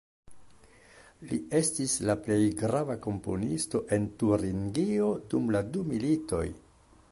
Li estis la plej grava komponisto en Turingio dum la du militoj.